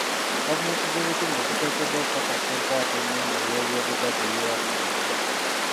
Gavumenti z'ebitundu ziteekeddwa okukakasa enkwata ennungi ey'ebyobugagga ebibaweereddwa.